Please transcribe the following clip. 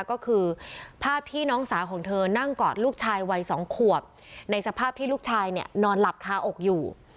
ก็คือภาพที่น้องสาวของเธอนั่งกอดลูกชายวัย๒ขวบในสภาพที่ลูกชายเนี่ยนอนหลับคาอกอยู่